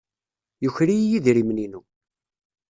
Yuker-iyi idrimen-inu.